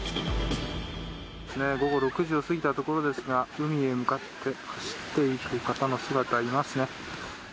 午後６時を過ぎたところですが海へ向かって走っていく方の姿いますね。